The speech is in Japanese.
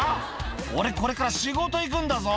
「俺これから仕事行くんだぞ」